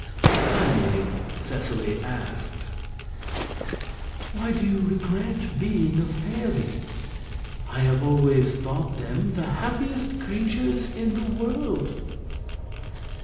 Finally Seseley asked: "Why do you regret being a fairy? I have always thought them the happiest creatures in the world."